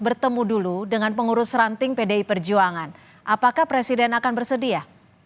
bertemu dulu dengan pengurus ranting pdi perjuangan apakah presiden akan bersedia